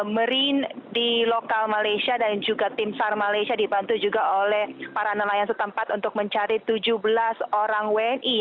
marine di lokal malaysia dan juga tim sar malaysia dibantu juga oleh para nelayan setempat untuk mencari tujuh belas orang wni